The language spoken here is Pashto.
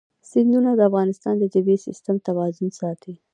سیندونه د افغانستان د طبعي سیسټم توازن ساتي.